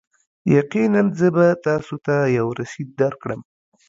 یقینا، زه به تاسو ته یو رسید درکړم.